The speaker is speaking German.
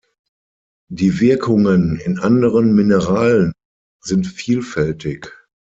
Die Wirkungen in anderen Mineralen sind vielfältig.